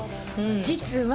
実は。